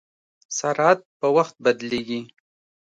سرعت په وخت بدلېږي.